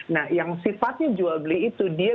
nah yang sifatnya jual beli itu dia